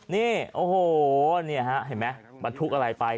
นี่โอ้โหนี่เห็นไหมมันพลุกอะไรไป